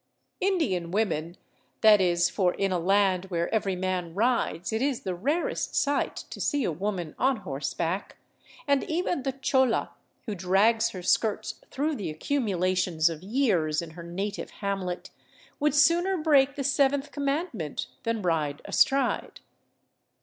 Indian women, that is, for in a land where every man rides it is the rarest sight to see a woman on horseback; and even the chola who drags her skirts through the accumulations of years in her native hamlet, would sooner break the seventh commandment than ride astride.